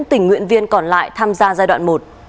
các tỉnh nguyện viên còn lại tham gia giai đoạn một